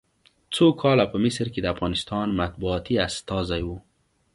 څو کاله په مصر کې د افغانستان مطبوعاتي استازی و.